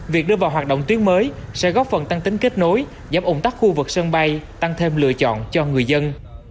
việc đưa vào hoạt động tuyến mới sẽ góp phần tăng tính kết nối giảm ủng tắc khu vực sân bay tăng thêm lựa chọn cho người dân